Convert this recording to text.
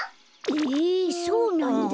ええそうなんだ。